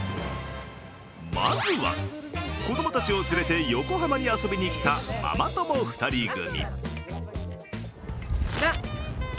まずは子供たちを連れて横浜に遊びに来たママ友２人組。